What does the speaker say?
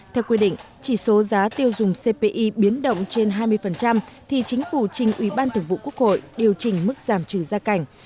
theo quy định chỉ số giá tiêu dùng cpi biến động trên hai mươi thì chính phủ trình ubthq điều chỉnh mức giảm trừ ra cảnh